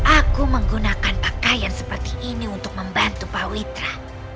aku menggunakan pakaian seperti ini untuk membantu pak witra